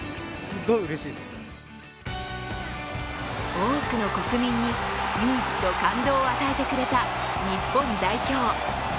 多くの国民に勇気と感動を与えてくれた日本代表。